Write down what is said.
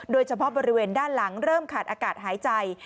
โดยเฉพาะบริเวณด้านหลังเริ่มขาดอากาศหายใจ